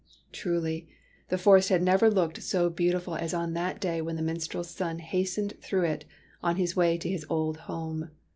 Truly, the forest had never looked so beauti ful as on that day when the minstrel's son hastened through it on his way to his old home.